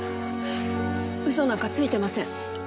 嘘なんかついてません。